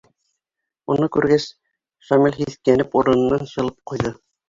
Уны күргәс, Шамил һиҫкәнеп урынынан шылып ҡуйҙы.